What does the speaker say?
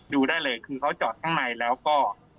ดูได้เลยคือเขาจอดข้างในแล้วก็